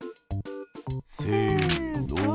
せの。